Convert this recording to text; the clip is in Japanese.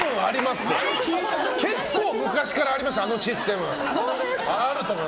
結構昔からありましたあのシステム。